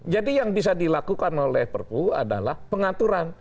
yang bisa dilakukan oleh perpu adalah pengaturan